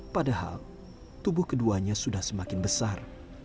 padahal tubuh keduanya sudah semakin besar